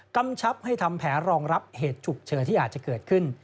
กำชับให้ทำแผลรองรับเหตุฉุกเฉินที่อาจจะเกิดขึ้น